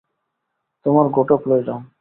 তোমার ঘােটক লইলাম।